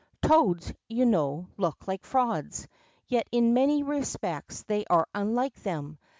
Toads, you know, look like frogs, yet in many respects they are unlike them.